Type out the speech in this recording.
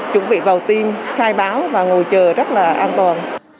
chuẩn bị vào tim khai báo và ngồi chờ rất là an toàn